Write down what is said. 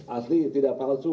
asli tidak palsu